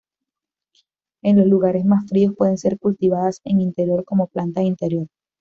En los lugares más fríos pueden ser cultivadas en interior como planta de interior.